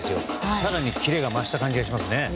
更にキレが増した感じがしますね。